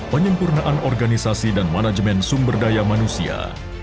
penyempurnaan organisasi dan manajemen sumber daya manusia